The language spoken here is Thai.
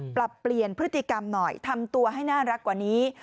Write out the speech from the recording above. ปรับเปลี่ยนพฤติกรรมหน่อยทำตัวให้น่ารักกว่านี้